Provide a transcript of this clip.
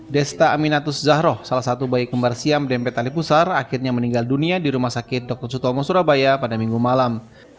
desta aminatus zahroh salah satu bayi kembar siam dempet tali pusar akhirnya meninggal dunia di rumah sakit dr sutomo surabaya pada minggu malam